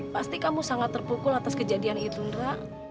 pasti kamu sangat terpukul atas kejadian itu indra